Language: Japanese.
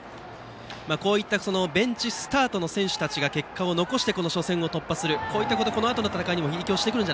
こういったベンチスタートの選手たちが結果を残して初戦を突破するのはこのあとの戦いにも影響しますか。